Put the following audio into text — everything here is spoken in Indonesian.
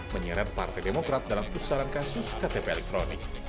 menyeret partai demokrat dalam pusaran kasus ktp elektronik